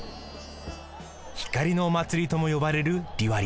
光のおまつりともよばれるディワリ。